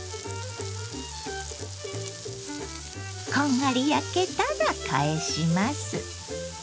こんがり焼けたら返します。